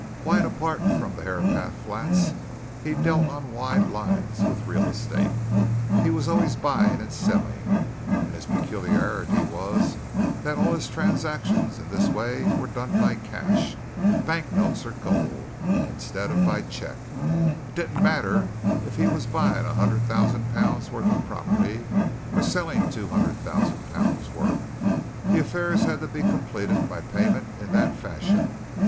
Quite apart from the Herapath Flats, he dealt on wide lines with real estate; he was always buying and selling. And his peculiarity was that all his transactions in this way were done by cash bank notes or gold instead of by cheque. It didn't matter if he was buying a hundred thousand pounds' worth of property, or selling two hundred thousand pounds' worth the affairs had to be completed by payment in that fashion.